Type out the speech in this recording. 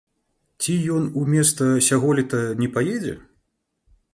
Ці ён у места сяголета не паедзе?